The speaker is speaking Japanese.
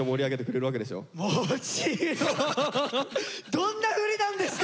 どんな振りなんですか？